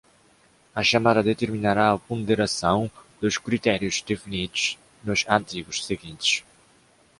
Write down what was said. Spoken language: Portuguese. A chamada determinará a ponderação dos critérios definidos nos artigos seguintes.